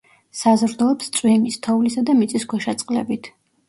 საზრდოობს წვიმის, თოვლისა და მიწისქვეშა წყლებით.